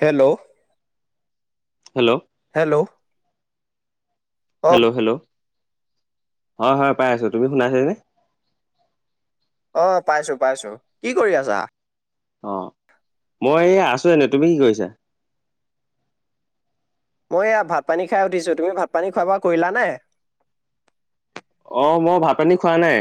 Hello. Hello. Hello. অ hello hello? হয় হয় পাই আছোঁ, তুমি শুনাইছানে? অ পাইছো পাইছো, কি কৰি আছা? অ, মই এইয়া আছো এনেই, তুমি কি কৰিছা? মই এয়া ভাত - পানী খাই উঠিছোঁ, তুমি ভাত - পানী খোৱা বোৱা কৰিলা নে? অঁ মই ভাত - পানী খোৱা নাই।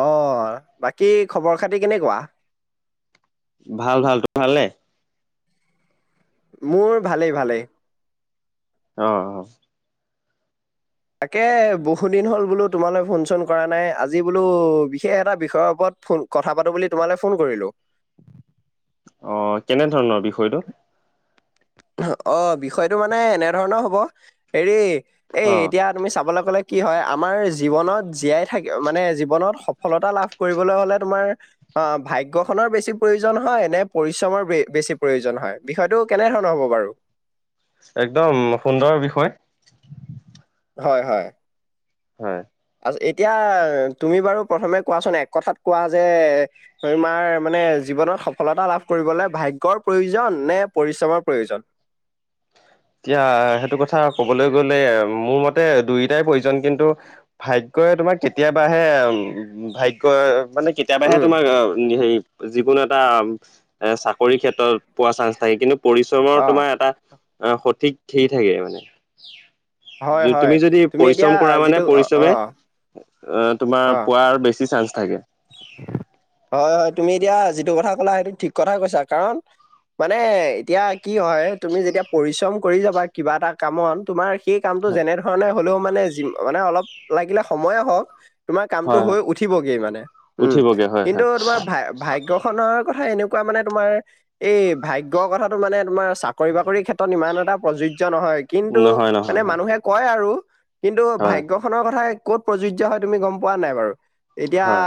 অঁ বাকী খবৰ খাতি কেনেকুৱা? ভাল ভাল, তোমাৰ ভালে? মোৰ ভালেই ভালেই। অ অ। তাকে বহুদিন হ'ল বোলো তোমালৈ ফোন চোন কৰা নাই আজি বোলো বিশেষ এটা বিষয়ৰ ওপৰত ফোন কথা পাতো বুলি তোমালৈ ফোন কৰিলো। অ কেনে ধৰণৰ বিষয়টো? অহ অ বিষয়টো মানে এনেধৰণৰ হব হেৰি এই অ এতিয়া তুমি চাবলৈ গ'লে কি হয় আমাৰ জীৱনত জীয়াই থাক মানে জীৱনত সফলতা লাভ কৰিবলৈ হ'লে তোমাৰ অ ভাগ্যখনৰ বেছি প্ৰয়োজন হয় নে পৰিশ্ৰমৰ বে বেছি প্ৰয়োজন হয় বিষয়টো কেনেধৰণৰ হ'ব বাৰু? একদম সুন্দৰ বিষয়। হয়, হয়। হয়। আজ এতিয়া তুমি বাৰু প্ৰথমে কোৱাচোন এক কথাত কোৱা যে তইমাৰ মানে জীৱনত সফলতা লাভ কৰিবলৈ ভাগ্যৰ প্ৰয়োজন নে পৰিশ্ৰমৰ প্ৰয়োজন? এতিয়া সেইটো কথা কবলৈ গ'লে মোৰ মতে দুয়োটাই প্ৰয়োজন কিন্তু ভাগ্যই তোমাক কেতিয়াবাহে উ ভাগ্যই মানে কে তেতিয়াৰ বাহে উম তোমাৰ আ উম হেৰি যিকোনো এটা আম এ চাকৰিৰ ক্ষেত্ৰত পোৱা চানস থাকে কিন্তু পৰিশ্ৰমৰ অ তোমাৰ এটা আ সঠিক হেৰি থাকে মানে। হয় য হয় তুমি যদি এতিয়া পৰিশ্ৰম কৰা মানে যিটো অ অ পৰিশ্ৰমে অ তোমাৰ অ পোৱাৰ বেছি চান্স থাকে। হয়, হয় তুমি এতিয়া যিটো কথা ক'লা সেইটো ঠিক কথাই কৈছা কাৰণ মানে এতিয়া কি হয় তুমি যেতিয়া পৰিশ্ৰম কৰি যাবা কিবা এটা কামত তোমাৰ সেই কামটো হয় যেনে ধৰণে হলেও মানে যি মানে অলপ লাগিলে সময়ে হওঁক তোমাৰ কামটো হয় হয় হৈ উঠিবগে মানে উম উঠিবগে হয় কিন্তু হয় তোমাৰ ভাই ভাইগ গ্যখনৰ কথা এনেকুৱা মানে তোমাৰ এই ভাগ্যৰ কথাটো মানে তোমাৰ চাকৰি বাকৰিৰ ক্ষেত্ৰত ইমান এটা প্ৰযোজ্য নহয়। কিন্তু নহয় নহয় মানে হয় মানুহে কয় আৰু কিন্তু হয় ভাগ্য খনৰ কথা ক'ত প্ৰযোজ্য হয় তুমি গম পোৱা নাই বাৰু? এতিয়া হয়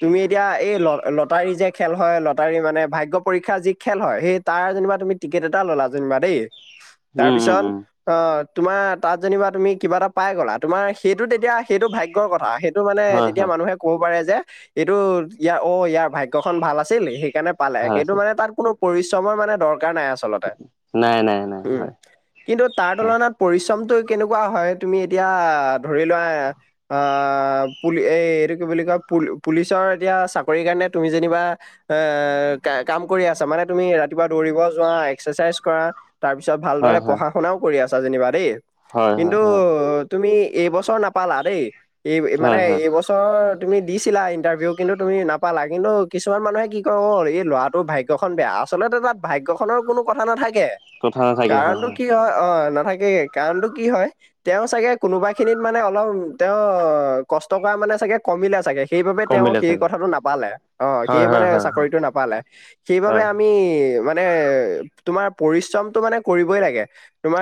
তুমি এতিয়া এই ল লটাৰী যে খেল হয়, লটাৰী মানে ভাগ্য পৰীক্ষাৰ যি খেল হয় সেই তাৰ যেনিবা তুমি টিকেট এটা ল'লা যেনিবা দেই উম উম তাৰপিছত উম অ তোমাৰ তাত যেনিবা তুমি কিবা এটা পাই গলা তোমাৰ সেইটো তেতিয়া সেইটো ভাগ্যৰ কথা সেই টো মানে হয় তেতিয়া হয় মানুহে কব পাৰে যে এইটো ইয়াৰ অ ইয়াৰ ভাগ্যখন ভাল আছিল সেই কেনে পালে ভাল সেইটো আছে মানে তাত কোনো পৰিশ্ৰমৰ মানে দৰকাৰ নাই আছ চলতে নাই নাই নাই উ'ম। হয় কিন্তু তাৰ তুলনাত পৰিশ্ৰমটো কেনেকুৱা হয় তুমি এতিয়া ধৰি লোৱা আ পুলি এইটো কি বুলি কয় পুল পুলিচৰ এতিয়া চাকৰিৰ কাৰণে তুমি যেনিবা এ ক কাম কৰি আছা, মানে তুমি ৰাতিপুৱা দৌৰিব যোৱা, এক্সাৰচাইজ কৰা। তাৰপিছত হয় ভালদৰে হয় পঢ়া-শুনাও কৰি আছা যেনিবা দেই, হয় হয় কিন্তু হয় তুমি এইবছৰ নাপালা দেই, এই হয় হয় মানে হয় এইবছৰ তুমি দিছ দিছিলা ইণ্টাৰভিউ, কিন্তু তুমি নাপালা। কিন্তু কিছুমান মানুহে কি কয়, অ' এই ল'ৰাটো ভাগ্য ভাগ্য খন বেয়া, আচলতে তাত ভাগ্যখনৰ কোনো কথা নাথাকে। কথা নাথাকে হয় কাৰণটো কি হয়, অ', নাথাকে। কাৰণটো কি হয়? তেওঁ চাগে কোনোবা খিনিত মানে অলপ, তেওঁ কষ্ট কৰা মানে চাগে কমিলে চাগে। সেইবাবে তেওঁ কমিলে সেই চাগে কথাটো নাপালে, অ', সেই হয় হয় মানে হয় হয় চাকৰিটো নাপালে। সেইবাবে হয় আমি মানে মানে তোমাৰ পৰিশ্ৰমটো মানে কৰিবই লাগে,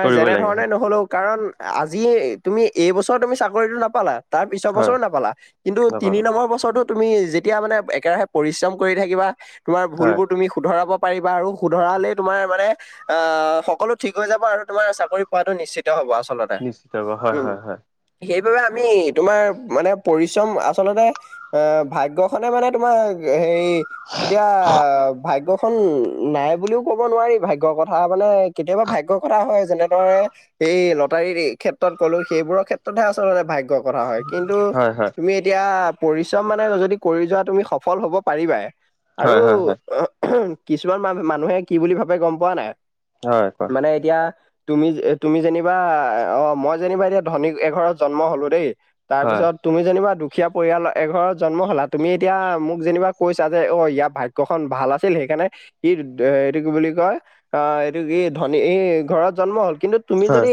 কৰিব যেনে লাগে ধৰণে হয় নহ'লেও কাৰণ আজি এই তুমি এইবছৰ তুমি চাকৰিটো নাপালা, তাৰপিছৰ হয় বছৰো নাপালা। কিন্তু তিনি নকবা নম্বৰ বছৰতো তুমি যেতিয়া মানে একেৰাহে পৰিশ্ৰম কৰি থাকিবা। তোমাৰ হয় ভুলবোৰ তুমি শুধৰাব পাৰিবা আৰু শুধৰালে তোমাৰ মানে অ', সকলো ঠিক হৈ যাব, আৰু তোমাৰ চাকৰি পোৱাটো নিশ্চিত হ'ব আচলতে। নিশ্চিত হ'ব, হয় উম হয় হয়। সেইবাবে, আমি তোমাৰ মানে পৰিশ্ৰম আচলতে অ' ভাগ্যখনে মানে তোমাৰ হেৰি, এতিয়া ভাগ্য খন নাই বুলিও ক'ব নোৱাৰি, ভাগ্যৰ কথা মানে, কেতিয়াবা ভাগ্যৰ কথা হয়। যেনেদৰে এই লটাৰীৰ এই ক্ষেত্ৰত কলোঁ, সেইবোৰৰ ক্ষেত্ৰতহে আচলতে ভাগ্যৰ কথা হয়। কিন্তু হয় তুমি এতিয়া পৰিশ্ৰম মানে যদি কৰি যোৱা, তুমি সফল হ'ব পাৰিবাই। আৰু হয় হয় হয় কিছুমান মানুহ, মানুহে কি বুলি ভাবে গম পোৱা নাই? হয় কোৱা। মানে এতিয়া তুমি, তুমি যেনিবা অ', মই যেনিবা এতিয়া ধনী এঘৰত জন্ম হলোঁ দেই। হয় তাৰপিছত, তুমি যেনিবা দুখীয়া পৰিয়াল এঘৰত জন্ম হ'লা। তুমি এতিয়া মোক যেনিবা কৈছাঁ যে, অ', ইয়াৰ ভাগ্যখন ভাল আছিল। সেইকাৰণে ই এইটো কি বুলি কয়, অ', এইটো কি ধনী এই ঘৰত জন্ম হ'ল, কিন্তু তুমি হয় যদি,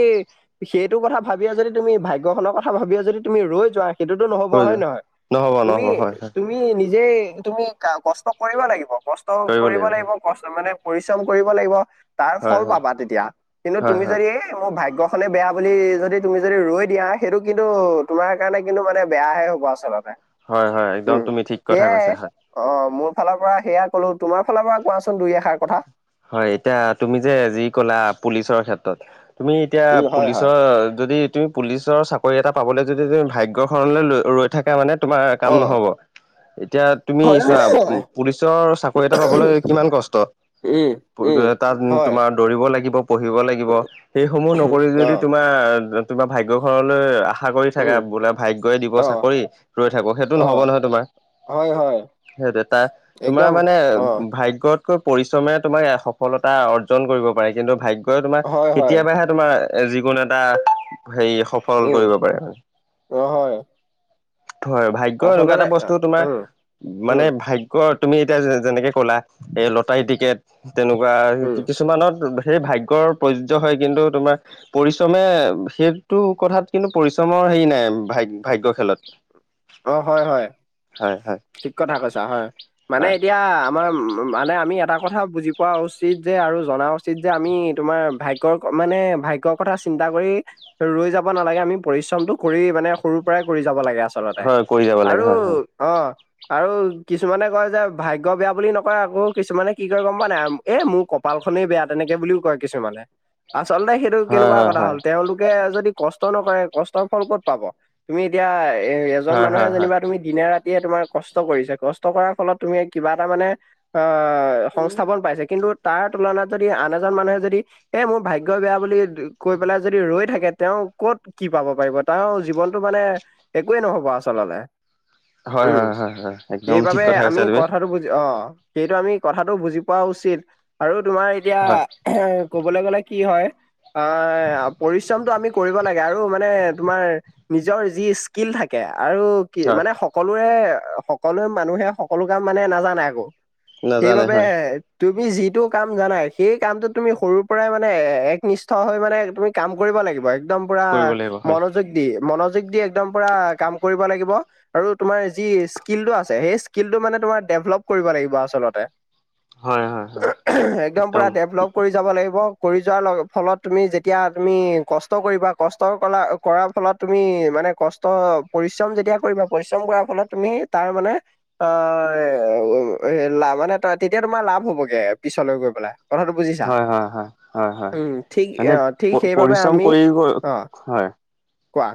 সেইটো কথা ভাবিয়ে যদি, তুমি ভাগ্যখনৰ কথা ভাবিয়ে যদি তুমি ৰৈ যোৱা সেইটোতো নহ'ব, হৈ হয় যোৱা নহয়? নহ'ব তুমি নহ'ব, হয় হয়। তুমি নিজেই তুমি কষ্ট কৰিব লাগিব, কষ্ট কৰিব লাগিব। কষ্ট মানে, পৰিশ্ৰম কৰিব লাগিব। তাৰ হয় ফল হয় পাবা তেতিয়া, কিন্তু হয় তুমি হয় যদি এই মোৰ ভাগ্যখনে বেয়া বুলি, যদি তুমি যদি ৰৈ দিয়া। সেইটো কিন্তু তোমাৰ কাৰণে কিন্তু মানে বেয়াহে হ'ব। আচলতে, হয় হয়, একদম উম তুমি ঠিক কথা সেয়াই কৈছাঁ, হয় হয়। অ', মোৰ ফালৰ পৰা সেয়া কলোঁ। তোমাৰ ফালৰ পৰা কোৱাচোন দুই এষাৰ কথা। হয়, এতিয়া তুমি যে যি ক'লা, পুলিচৰ ক্ষেত্ৰত। তুমি এতিয়া, উম হয় হয় পুলিচৰ যদি তুমি পুলিচৰ চাকৰি এটা পাবলৈ, যদি তুমি ভাগ্যখনলৈ ৰৈ থাকা মানে, তোমাৰ অ কাম নহ'ব। এতিয়া তুমি হয় চোৱা, হয় পুলিচৰ চাকৰি এটা পাবলৈ কিমান কষ্ট। উম্, তাত তোমাৰ দৌৰিব লাগিব, পঢ়িব লাগিব। সেই সমূহ নকৰি অ যদি তোমাৰ তোমাৰ ভাগ্য ঘৰলৈ আশা কৰি থাকা, উম বোলে ভাগ্যই দিব অ চাকৰি ৰৈ থাকোঁ, সেইটো অ নহ'ব নহয় তোমাৰ। হয় হয় সেইটোৱে, তাৰ একদম তোমাৰ মানে অ ভাগ্যত পৰিশ্ৰমে তোমাক সফলতা অৰ্জন কৰিব পাৰে কিন্তু ভাগ্যই তোমাক হয় হয় কেতিয়াবাহে তোমাৰ যিকোনো এটা হেৰি, সফল উম, কৰিব পাৰে অ', হয় হয়, ভাগ্য এনেকুৱা আচলতে এটা বস্তু আ- তোমাৰ উম, মানে উম, ভাইগ ক তুমি এতিয়া যেনেকে ক'লা এই লটাৰী টিকেট, তেনেকুৱা উম, কিছুমানত সেই ভাগ্যৰ প্ৰযোজ্য হয় কিন্তু তোমাৰ পৰিশ্ৰমে সেইটো কথাত কিন্তু পৰিশ্ৰমৰ হেৰি নাই ভাইগ ভাগ্যৰ খেলত। অ হয় হয়। হয় হয়। ঠিক কথা কৈছা হয়, মানে হয় এতিয়া আমাৰ মানে আমি এটা কথা বুজি পোৱা উচিত যে আৰু জনা উচিত যে আমি তোমাৰ ভাইগ কৰ মানে ভাগ্যৰ কথা চিন্তা কৰি ৰৈ যাব নালাগে আমি পৰিশ্ৰমটো কৰি মানে সৰু পৰাই কৰি যাব লাগে আচলতে হয় কৰি যাব লাগে আৰু হয় হয় অ আৰু কিছুমানে কয় যে ভাগ্য বেয়া বুলি নকয় আকৌ কিছুমানে কি কয় গম পা নাই এ মোৰ কপালখনেই বেয়া তেনেকে বুলিও কয় কিছুমানে, আচলতে সেইটো কেনেকুৱা হয় হয় কথা হয় হ'ল তেওঁলোক লোকে যদি কষ্ট নকৰে কষ্টৰ ফল ক'ত পাব? তুমি এতিয়া এ এজন হয় মানুহে হয় হয় যেনিবা তুমি দিনে ৰাতিয়ে তোমাৰ কষ্ট কৰিছে, কষ্ট কৰাৰ ফলত তুমি কিবা এটা মানে অ সংস্থাপন পাইছে কিন্তু তাৰ তুলনাত যদি আন এজন মানুহে যদি এ মোৰ ভাগ্যই বেয়া বুলি কৈ পেলাই যদি ৰৈ থাকে, তেওঁ ক'ত কি পাব পাৰিব তাৰ জীৱনটো মানে একোৱে নহব আচলতে হয় উম, -হয়, হয়- হয়। একদম ঠিক সেইবাবে কথা আমি কৈছা তুমি কথাটো বুজি অ, সেইটো আমি কথাটো বুজি পোৱা উচিত। আৰু তোমাৰ এতিয়া হয় এ, ক'বলৈ গলে কি হয় অ পৰিশ্ৰমটো আমি কৰিব লাগে। আৰু মানে তোমাৰ নিজৰ যি স্কিল থাকে, আৰু কি হয় মানে সকলোৱে, সকলোৱে মানুহে সকলো কাম মানে নাজানে আকৌ। নাজানে সেইবাবে হয় তুমি যিটো কাম জানা সেই কামটো তুমি সৰু পৰাই মানে একনিষ্ঠ হৈ মানে তুমি কাম কৰিব লাগিব এক্দম পুৰা কৰিব লাগিব হয় মনত দি মনযোগ একদম দি পুৰা কাম কৰিব লাগিব আৰু তোমাৰ যি স্কিলটো আছে সেই স্কিলটো মানে তোমাৰ ডেভলপ কৰিব লাগিব আচলতে। হয় হয় হয় একদম পুৰা ডেভলপ কৰি যাব লাগিব। কৰি যোৱাৰ ফলত তুমি যেতিয়া তুমি কষ্ট কৰিবা, কষ্ট কৰা কৰাৰ ফলত তুমি মানে কষ্ট অ পৰিশ্ৰম যেতিয়া কৰিবা, পৰিশ্ৰম কৰাৰ ফলত তুমি তাৰ মানে অ, লা মানে তেতিয়া তোমাৰ লাভ হবগে পিছলৈ গৈ পেলাই। কথাটো বুজিছা হয় -হয় -হয়, হয়-হয় উম ঠিক মানে অ ঠিক সেইবাবে পৰিশ্ৰম আমি কৰি গৈ অ হয়। কোৱা।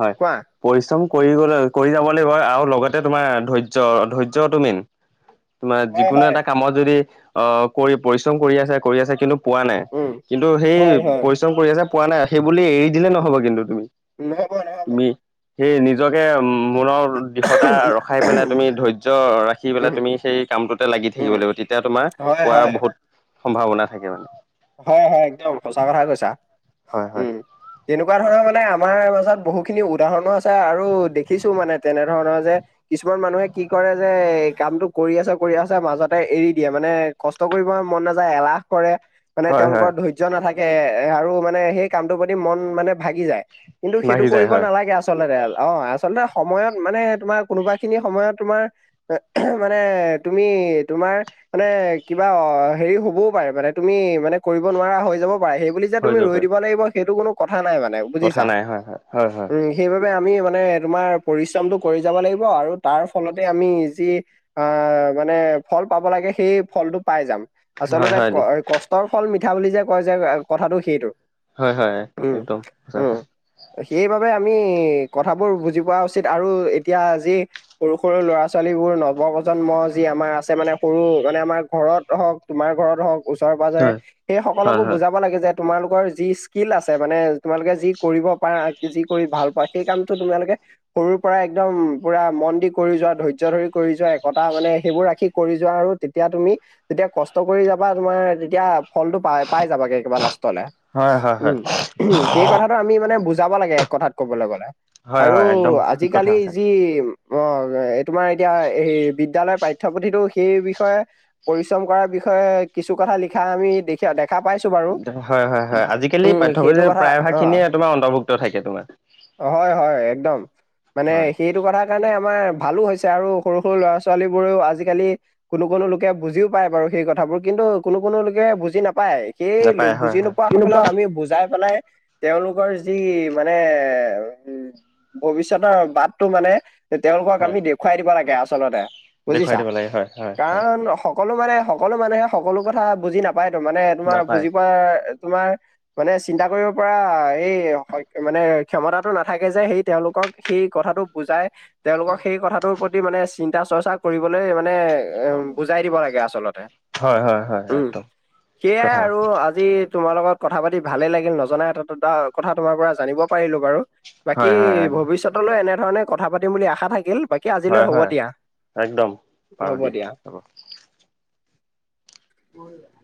হয়। কোৱা পৰিশ্ৰম কৰিলে কৰি যাব লাগিব আৰু লগতে তোমাৰ ধৈৰ্য, ধৈৰ্য্য তু মেইন। তোমাৰ হয় যিকোনো হয় এটা কামত যদি অহ কৰি পৰিশ্ৰম কৰি আছে কৰি আছে কিন্তু পোৱা নাই, উম কিন্তু সেই হয় হয় পৰিশ্ৰম কৰি আছে পোৱা নাই সেইবুলি এৰি দিলে নহ'ব কিন্তু তুমি নহব। নহব তুমি, সেই নিজকে মনৰ দি দৃঢ়তা ৰখাই পেলাই উম তুমি ধৈৰ্য ৰাখি পেলাই উম তুমি সেই কামটোতে লাগি উম থাকিব লাগিব, তেতিয়া তোমাৰ হয় পোৱাৰ হয়। বহুত সম্ভাৱনা থাকে মানে। হয় হয় একদম সচা কথাই কৈছা হয় হয় উম তেনেকুৱা ধৰণৰ মানে আমাৰ মাজত বহুখিনি উদাহৰণো আছে আৰু দেখিছো মানে তেনেধৰণৰ যে, কিছুমান মানুহে কি কৰে যে কামটো কৰি আছে কৰি আছে মাজতে এৰি দিয়ে মানে। কষ্ট কৰিব মন নাযায় এলাহ কৰে, মানে হয় হয় তেওঁলোকৰ ধৈৰ্য্য নাথাকে এ আৰু মানে সেই কামটোৰ প্ৰতি মন মানে ভাগি যায়। কিন্তু সেইটো ভাগি যায় কৰিব হয় নালাগে আচলতে অ আচলতে সময়ত মানে তোমাৰ কোনোবা খিনি সময়ত তোমাৰ, মানে তুমি তোমাৰ। মানে কিবা অ হেৰি হবও পাৰে মানে তুমি, মানে কৰিব নোৱাৰা হৈ যাব পাৰে সেইবুলি যে হৈ তুমি যাব ৰৈ পাৰে দিব লাগিব সেইটো কোনো কথা নাই মানে, কথা বুজিছা নাই হয় হয় হয় হয় উম, সেইবাবে আমি মানে তোমাৰ পৰিশ্ৰমটো কৰি যাব লাগিব আৰু তাৰ ফলতে আমি যি। আহ মানে ফল পাব লাগে সেই ফলটো পাই যাম। হয় আচলতে হয় দি কষ্টৰ ফল মিঠা বুলি যে কয় যে কথাটো সেইটো। হয় হয় উম, একদম সচা উম। কথা। সেইবাবে আমি কথাবোৰ বুজি পোৱা উচিত আৰু এতিয়া যি, সৰু সৰু ল'ৰা ছোৱালীবোৰ নৱ প্ৰজন্ম যি আমাৰ আছে মানে সৰু মানে আমাৰ ঘৰত হওক, তোমাৰ ঘৰত হওক ওচৰে পাজৰে সেই হয় সকলোবোৰ হয় বুজা, কবা লাগে যে তোমালোকৰ যি স্কিল আছে মানে তোমালোকে যি কৰিব পাৰা যি কৰি ভাল পায় সেই কামটো তোমালোকে সৰুৰ পৰা একদম পুৰা মন দি কৰি যোৱা ধৈৰ্য্য ধৰি কৰি যোৱা একে, কটা মানে সেইবোৰ ৰাখি কৰি যোৱা আৰু তেতিয়া তুমি যেতিয়া কষ্ট কৰি যাবা তোমাৰ তেতিয়া ফলটো পাই পাই যাবাগে একেবাৰে লাষ্টলে। হয় হয় হয় উম হয় সেই কথাটো আমি মানে বুজাব লাগে এক কথাত কবলৈ গ'লে। হয় আৰু হয় একদম ঠিক কথা আজিকালি কৈছা যি অ তোমাৰ এতিয়া এই বিদ্যয়ালয়ৰ পাঠ্যপুথিটো সেই বিষয়ে পৰিশ্ৰম কৰাৰ বিষয়ে কিছু কথা লিখি হয় হয় হয় আজিকালি উম, সেইটো পাঠ্যপুথিৰ কথা প্ৰায়ভাগ অ'। খিনিয়ে তোমাৰ অন্তৰ্ভুক্ত থাকে তোমাৰ। হয় হয় একদম মানে হয় সেইটো কথাত সেইকাৰণে আমাৰ ভালো হৈছে আৰু সৰু সৰু ল'ৰা ছোৱালী বোৰেও আজিকালি কোনো কোনো লোকে বুজিও পায় বাৰু সেই কথাবোৰ কিন্তু কোনো কোনো লোকে বুজি নাপায় সেই নাপায় হয় বুজি হয় নোপোৱা সকলক আমি বুজাই পেলাই তেওঁলোকৰ যি মানে উ ভৱিষ্যতৰ বাটটো মানে তেওঁলোকক হয় আমি দেখুৱাই দিব লাগে আচলতে দেখুৱাই বুজিছা দিব লাগে হয় হয় হয় কাৰণ অ সকলো মানে সকলো মানুহে সকলো কথা বুজি নাপায় তো মানে তোমাৰ নাপায় বুজি পোৱা তোমাৰ মানে চিন্তা কৰিব পৰা এই মানে ক্ষমতাটো নাথাকে যে সেই তেওঁলোকক সেই কথাটো বুজাই তেওঁলোকক সেই কথাটোৰ প্ৰতি মানে চিন্তা চৰ্চা কৰিবলৈ মানে এ বুজাই দিব লাগে আচলতে। হয় হয় হয়। হয় উম একদম ঠিক সেইয়াই কথা আৰু আজি যি তোমাৰ লগত কথা পাতি ভালে লাগিল নজনা এটা দুটা কথা তোমাৰ পৰা জানিব পাৰিলো বাৰু বাকী হয় হয় হয় ভৱিষ্যতলৈ এনেধৰণে কথা পাতিম বুলি আশা থাকিল। বাকী আজিলৈ হয় হ'ব হয় দিয়া একদম বাৰু হ'ব দিয়া। হ'ব [unintelligible]